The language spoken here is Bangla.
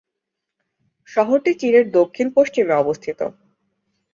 শহরটি চীনের এর দক্ষিণ-পশ্চিমে অবস্থিত।